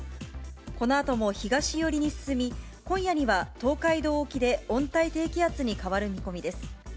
このあとも東寄りに進み、今夜には東海道沖で温帯低気圧に変わる見込みです。